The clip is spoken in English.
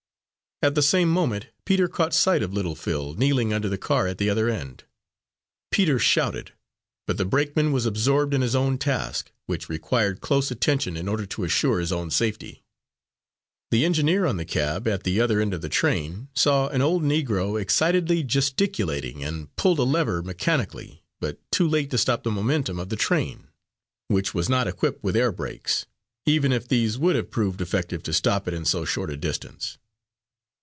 At the same moment Peter caught sight of little Phil, kneeling under the car at the other end. Peter shouted, but the brakeman was absorbed in his own task, which required close attention in order to assure his own safety. The engineer on the cab, at the other end of the train, saw an old Negro excitedly gesticulating, and pulled a lever mechanically, but too late to stop the momentum of the train, which was not equipped with air brakes, even if these would have proved effective to stop it in so short a distance.